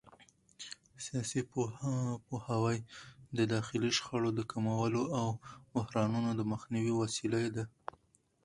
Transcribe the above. سیاسي پوهاوی د داخلي شخړو د کمولو او بحرانونو د مخنیوي وسیله ده